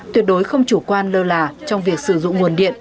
tuyệt đối không chủ quan lơ là trong việc sử dụng nguồn điện